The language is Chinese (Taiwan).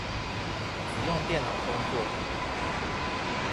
只用電腦工作